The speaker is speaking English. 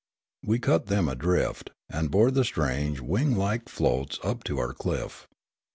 We cut them adrift, and bore the strange wing like floats up to our cliff.